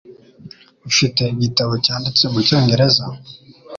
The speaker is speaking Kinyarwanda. Ufite igitabo cyanditse mucyongereza?